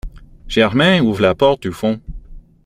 Germain ouvre la porte du fond.